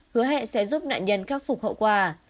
hứa hẹn sẽ giúp nạn nhân khắc phục hậu quả